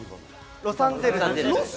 ロサンゼルスです。